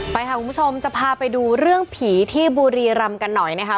ไปค่ะคุณผู้ชมจะพาไปดูเรื่องผีที่บุรีรำกันหน่อยนะคะ